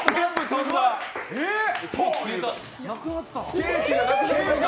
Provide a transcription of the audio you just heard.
ケーキがなくなりました。